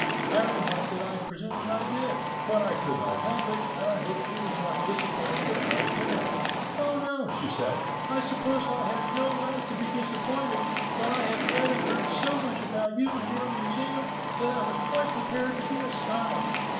I remarked that I presumed I did; but I could not help it, and I hoped she was not disappointed at my appearance. "Oh, no," she said; "I suppose I have no right to be disappointed, but I have read and heard so much about you and your Museum that I was quite prepared to be astonished."